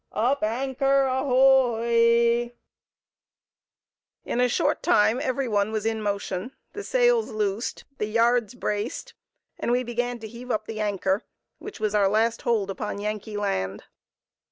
up anchor, a ho oy!" In a short time every one was in motion, the sails loosed, the yards braced, and we began to heave up the anchor, which was our last hold upon Yankee land.